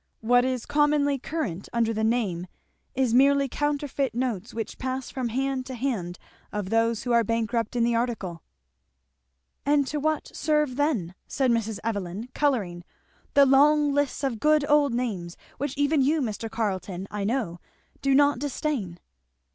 What is commonly current under the name is merely counterfeit notes which pass from hand to hand of those who are bankrupt in the article." "And to what serve then," said Mrs. Evelyn colouring, "the long lists of good old names which even you, Mr. Carleton, I know, do not disdain?"